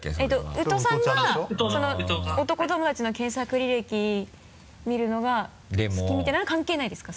宇都さんが男友達の検索履歴見るのが好きみたいなのは関係ないですか？